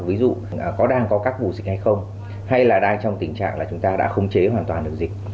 ví dụ có đang có các ổ dịch hay không hay là đang trong tình trạng là chúng ta đã khống chế hoàn toàn được dịch